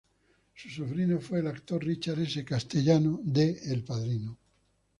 Su sobrino fue el actor Richard S. Castellano de El padrino.